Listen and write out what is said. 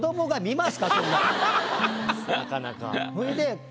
なかなか。